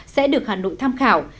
sẽ được hà nội tham khảo